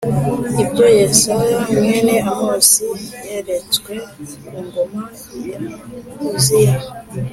Ibyo Yesaya mwene Amosi yeretswe ku ngoma ya Uziya